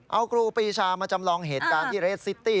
เอาครูปีชามาจำลองเหตุการณ์ที่เรสซิตี้